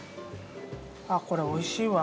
これおいしいわ。